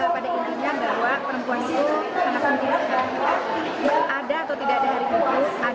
pada intinya perempuan itu sangat penting ada atau tidak ada hari kemas ada atau tidak ada hari kemas